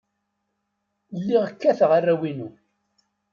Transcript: Lliɣ kkateɣ arraw-inu.